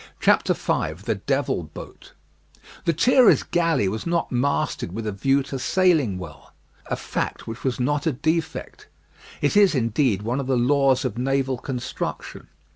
V THE DEVIL BOAT "Lethierry's Galley" was not masted with a view to sailing well; a fact which was not a defect; it is, indeed, one of the laws of naval construction.